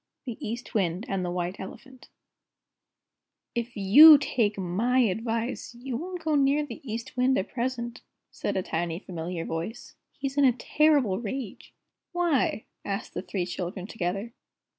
THE EAST WIND AND THE WHITE ELEPHANT "If you take MY advice, you won't go near the East Wind at present," said a tiny, familiar voice, "he's in a terrible rage!" "Why?" asked the three children together.